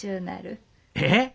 えっ！？